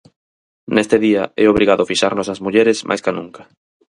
Neste día é obrigado fixarnos nas mulleres máis ca nunca.